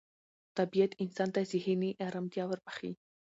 طبیعت انسان ته ذهني ارامتیا وربخښي